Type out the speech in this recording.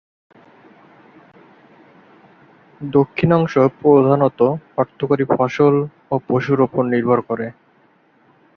দক্ষিণ অংশ প্রধানত অর্থকরী ফসল এবং পশুর উপর নির্ভর করে।